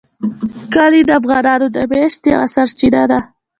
کلي د افغانانو د معیشت یوه سرچینه ده.